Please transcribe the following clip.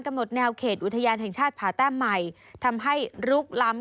แนวเขตอุทยานแห่งชาติผ่าแต้มใหม่ทำให้ลุกล้ำ